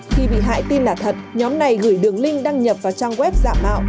khi bị hại tin là thật nhóm này gửi đường link đăng nhập vào trang web giả mạo